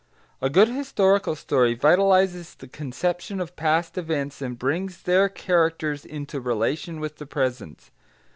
A good historical story vitalises the conception of past events and brings their characters into relation with the present.